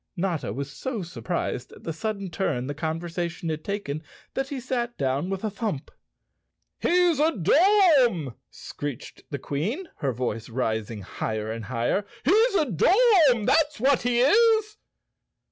Notta was so surprised at the sudden turn the con 81 The Co Weirdly Lion of Oz versation had taken that he sat down with a thump. "He's a dorm!" screeched the Queen, her voice rising higher and higher. "He's a dorm—that's what he is!"